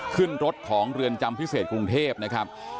ขึ้นรถของเรือนจำพิเศษกรุงเทพนะครับ